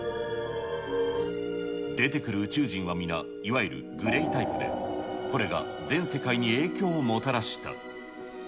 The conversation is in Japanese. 出てくる宇宙人は皆、いわゆるグレイタイプで、これが全世界に影響をもたらした。